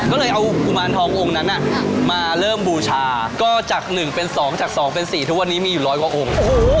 ก็เลยเอากุมารทององค์นั้นมาเริ่มบูชาก็จาก๑เป็น๒จาก๒เป็น๔ทุกวันนี้มีอยู่ร้อยกว่าองค์